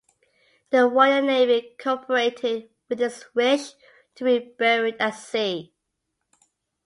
The Royal Navy co-operated with his wish to be buried at sea.